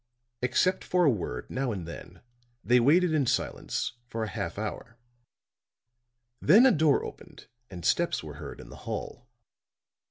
Except for a word now and then, they waited in silence for a half hour; then a door opened and steps were heard in the hall.